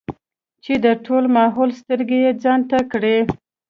چې د ټول ماحول سترګې يې ځان ته کړې ـ